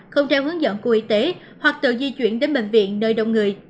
không theo hướng dẫn của y tế hoặc tự di chuyển đến bệnh viện nơi đông người